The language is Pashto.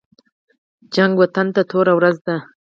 جګړه وطن ته توره ورځ ده